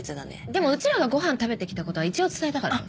でもうちらがごはん食べてきたことは一応伝えたからね。